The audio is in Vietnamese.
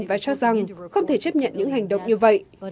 và cho rằng không thể chấp nhận những hành động như vậy